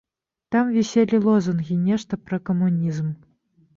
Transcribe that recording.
Там віселі лозунгі, нешта пра камунізм.